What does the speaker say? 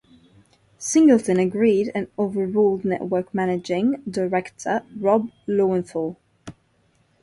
Singleton agreed and overruled Network managing director Rob Loewenthal.